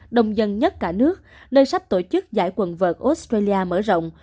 đồng dân nhất cả nước nơi sắp tổ chức giải quần vợt australia mở rộng